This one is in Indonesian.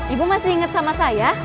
ibu masih ingat sama saya